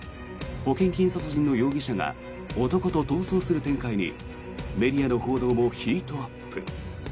保険金殺人の容疑者が男と逃走する展開にメディアの報道もヒートアップ。